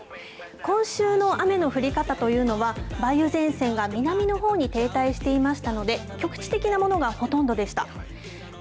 今週の雨の降り方というのは、梅雨前線が南のほうに停滞していましたので、局地的なものがほとんどでした。